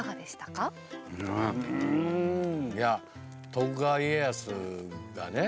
徳川家康がね